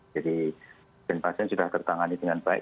jadi pasien sudah tertangani dengan baik